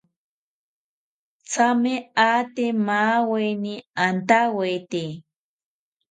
Thame ate maweni antawete